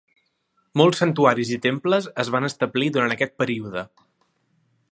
Molts santuaris i temples es van establir durant aquest període.